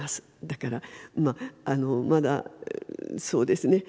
だからまだそうですね